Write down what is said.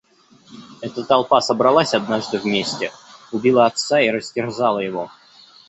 Эта толпа собралась однажды вместе, убила отца и растерзала его.